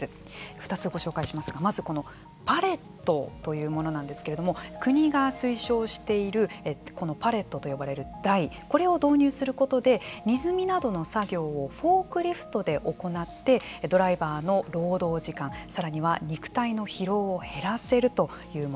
２つご紹介しますがまずこのパレットというものなんですけれども国が推奨しているこのパレットと呼ばれる台これを導入することで荷積みなどの作業をフォークリフトで行ってドライバーの労働時間さらには肉体の疲労を減らせるというものです。